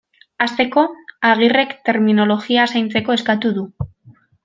Hasteko, Agirrek terminologia zaintzeko eskatu du.